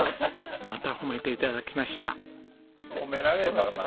また褒めて頂きました。